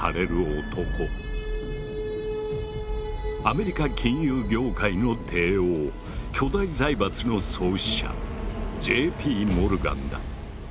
アメリカ金融業界の帝王巨大財閥の創始者Ｊ．Ｐ．モルガンだ。